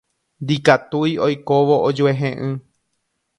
Ndikatúi oikóvo ojuehe'ỹ.